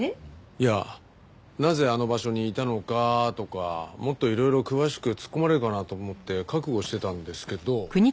いやなぜあの場所にいたのかとかもっといろいろ詳しく突っ込まれるかなと思って覚悟してたんですけど